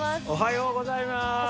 おはようございます。